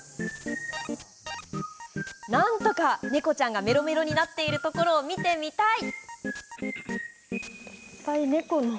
なんとか猫ちゃんがメロメロになってるところを見てみたい！